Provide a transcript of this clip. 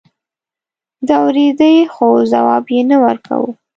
ده اورېدې خو ځواب يې نه ورکاوه.